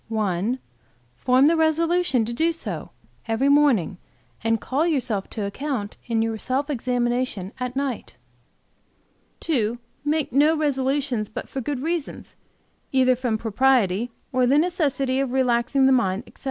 "1. Form the resolution to do so, every morning, and call yourself to account in your self examination at night. "2. Make no resolutions but for good reasons, either from propriety or the necessity of relaxing the mind, etc.